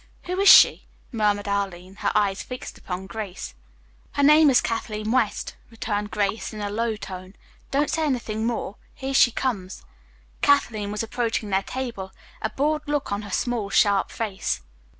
"Who is she?" murmured Arline, her eyes fixed upon Grace. "Her name is Kathleen West," returned Grace in a low tone. "Don't say anything more. Here she comes." Kathleen was approaching their table, a bored look on her small, sharp face.